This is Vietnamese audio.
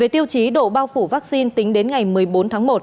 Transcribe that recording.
tiêu chí độ bao phủ vaccine tính đến ngày một mươi bốn tháng một